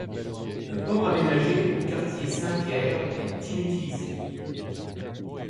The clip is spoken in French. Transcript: Le port aménagé au quartier Saint-Pierre est inutilisé.